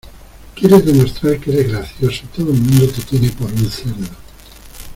Quieres demostrar que eres gracioso y todo el mundo te tiene por un cerdo.